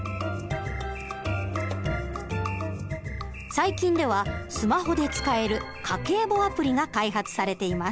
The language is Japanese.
最近ではスマホで使える家計簿アプリが開発されています。